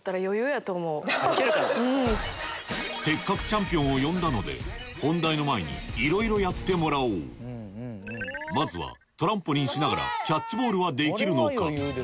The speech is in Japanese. せっかくチャンピオンを呼んだので本題の前にいろいろやってもらおうまずはトランポリンしながらキャッチボールはできるのか？